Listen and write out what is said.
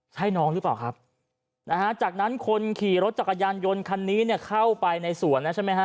ใช่น้องหรือเปล่าครับจากนั้นคนขี่รถจักรยานยนต์คันนี้เข้าไปในสวน